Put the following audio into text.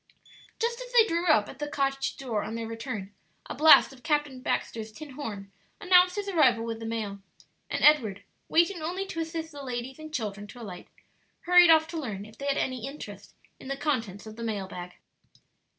Just as they drew up at the cottage door on their return, a blast of Captain Baxter's tin horn announced his arrival with the mail, and Edward, waiting only to assist the ladies and children to alight, hurried off to learn if they had any interest in the contents of the mailbag.